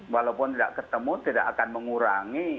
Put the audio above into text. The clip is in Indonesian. walaupun tidak ketemu tidak akan mengurangi